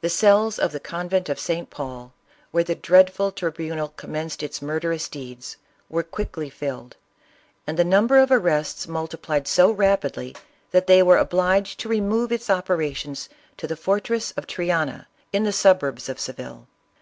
The cells of the convent of St. Paul, where the dreadful tribunal commenced its murderous deeds, were quickly filled ; and the number of arrests multiplied so rapidly that they were obliged to remove its operations to the for tress of Triana in the suburbs of Seville.